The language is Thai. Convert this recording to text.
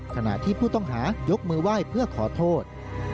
ขณะที่ผู้ต้องหายกมือไหว้เพื่อขอโทษ